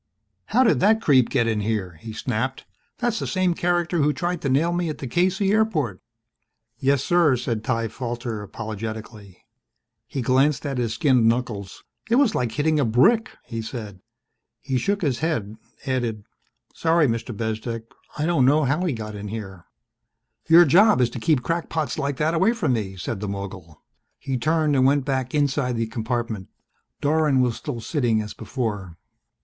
"How did that creep get in here?" he snapped. "That's the same character who tried to nail me at the K.C. airport." "Yes, sir," said Ty Falter apologetically. He glanced at his skinned knuckles. "It was like hitting a brick," he said. He shook his head, added, "Sorry, Mr. Bezdek. I don't know how he got in here." "Your job is to keep crackpots like that away from me," said the mogul. He turned and went back inside the compartment. Dorwin was still sitting as before.